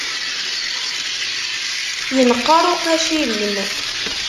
Inqer uqacir-im.